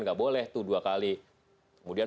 nggak boleh tuh dua kali kemudian